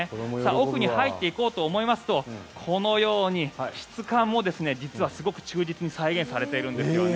奥に入っていこうと思いますとこのように質感も実はすごく忠実に再現されているんです。